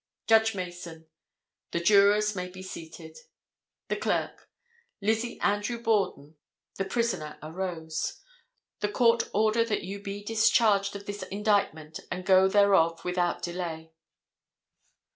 Judge Mason—The jurors may be seated. The clerk—Lizzie Andrew Borden. (The prisoner arose.) The court order that you be discharged of this indictment and go thereof without delay.